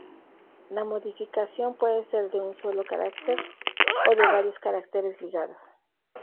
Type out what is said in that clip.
La modificación puede ser de un solo carácter, o de varios caracteres ligados.